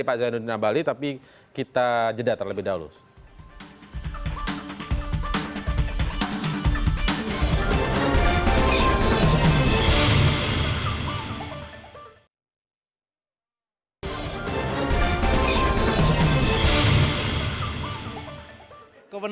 malah mau double jabatan